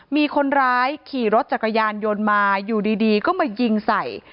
มีคนร้ายขี่รถจักรยานยนต์มาอยู่ดีก็มายิงใส่